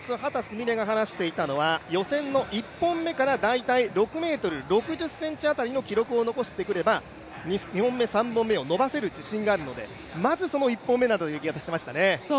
美鈴が話していたのは、予選の１本目から大体６ｍ６０ｃｍ辺りの記録を残しておけば２本目、３本目をのばせる自信があるので、まずは１本目といっていました。